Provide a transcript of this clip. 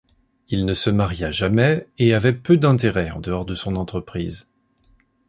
Il ne se maria jamais et avait peu d'intérêts en dehors de son entreprise.